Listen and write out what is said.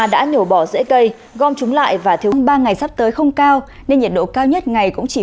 đã nhổ bỏ rễ cây gom chúng lại và thiếu ba ngày sắp tới không cao nên nhiệt độ cao nhất ngày cũng chỉ